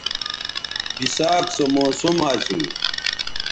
بِساک سو موسم اسو